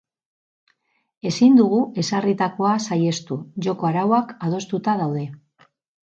Ezin dugu ezarritakoa saihestu, joko-arauak adostuta daude.